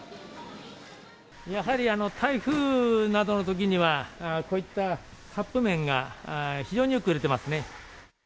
やはり台風などのときには、こういったカップ麺が、非常によく売れてますね。